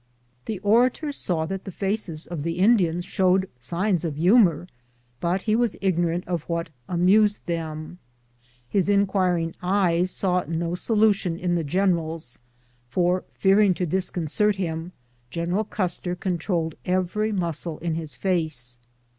The orator saw that the faces of the Indians showed signs of humor, but he was ignorant of what amused them. His inquiring eyes saw no solution in the general's, for, fearing to disconcert him. General Custer controlled every muscle in his face.